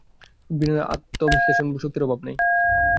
বিনয়ের আত্মবিশ্লেষণশক্তির অভাব নাই।